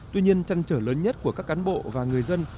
tuy nhiên trăn trở lớn nhất của các cán bộ và người dân